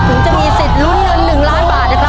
ถึงจะมีสิทธิ์ลุ้นเงิน๑ล้านบาทนะครับ